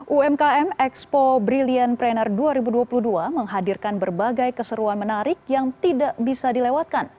umkm expo brilliant pranner dua ribu dua puluh dua menghadirkan berbagai keseruan menarik yang tidak bisa dilewatkan